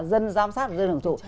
dân giám sát dân hưởng thụ